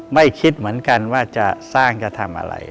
ไม่คิดเหมือนกันว่าจะสร้างจะทำอะไร